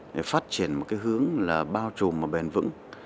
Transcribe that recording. để phát triển một cái hướng là bao trùm và bền vững